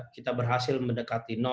kita berhasil mendekati